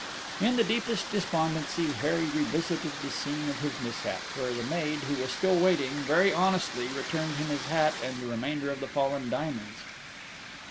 In the deepest despondency, Harry revisited the scene of his mishap, where the maid, who was still waiting, very honestly returned him his hat and the remainder of the fallen diamonds.